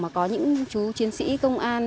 mà có những chú chiến sĩ công an